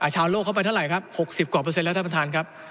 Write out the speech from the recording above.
ชาวโลกเข้าไปเท่าไหร่ครับ๖๐กว่าเปอร์เซ็นแล้วท่านประธานครับ